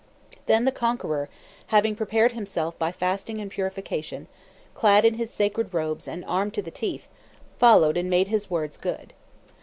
Then the conqueror, having prepared himself by fasting and purification, clad in his sacred robes and armed to the teeth, followed and made his words good.